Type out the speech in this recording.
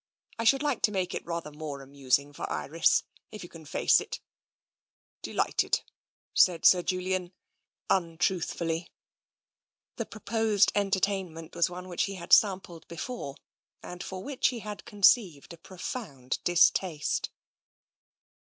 I should like to make it rather more amusing for Iris, if you can face it." '* Delighted," said Sir Julian untruthfully. The proposed entertainment was one which he had sampled before, and for which he had conceived a pro found distaste.